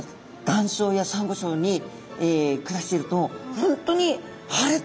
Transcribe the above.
岩礁やサンゴ礁に暮らしていると本当にあれ？